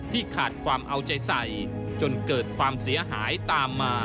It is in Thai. ขาดความเอาใจใส่จนเกิดความเสียหายตามมา